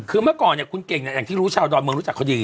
คือเมื่อก่อนเนี่ยคุณเก่งเนี่ยอย่างที่รู้ชาวดอนเมืองรู้จักเขาดี